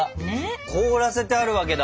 凍らせてあるわけだ。